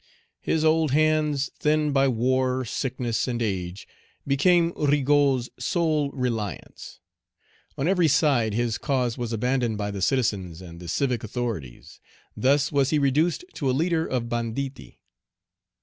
His old hands, thinned by war, sickness, and age, became Rigaud's sole reliance. On every side his cause was abandoned by the citizens and the civic authorities. Thus was he reduced to a leader of banditti.